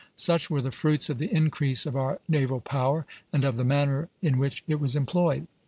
Such were the fruits of the increase of our naval power, and of the manner in which it was employed....